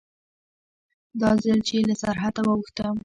دا ځل چې له سرحده واوښتم.